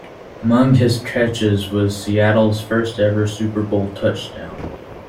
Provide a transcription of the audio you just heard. Among his catches was Seattle's first-ever Super Bowl touchdown.